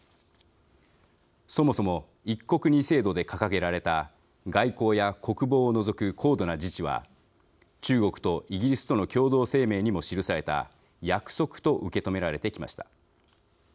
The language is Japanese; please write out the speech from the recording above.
そもそも一国二制度で掲げられた外交や国防を除く高度な自治は中国とイギリスとの共同声明にも記された約束と受け止められてきました。